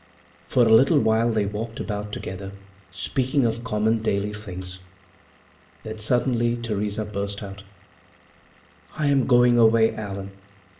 For a little they walked about together, speaking of common, daily things. Then suddenly Theresa burst out: "I am going away, Allan.